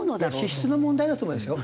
資質の問題だと思いますよ。